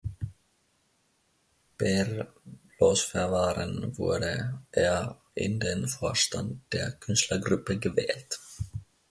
Per Losverfahren wurde er in den Vorstand der Künstlergruppe gewählt.